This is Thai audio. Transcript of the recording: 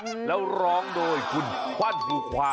ใช่ฮะแล้วร้องโดยคุณควันภูควา